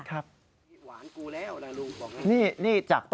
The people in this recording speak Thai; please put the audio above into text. หวานกูแล้วหลูมบอกไป